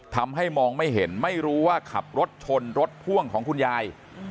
ทำให้มองไม่เห็นไม่รู้ว่าขับรถชนรถพ่วงของคุณยาย